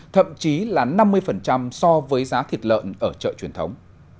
thậm chí là năm mươi so với giá thịt lợn ở chợ truyền thống